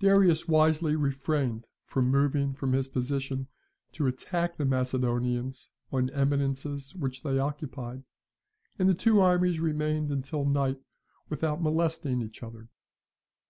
Darius wisely refrained from moving from his position to attack the Macedonians on eminences which they occupied, and the two armies remained until night without molesting each other.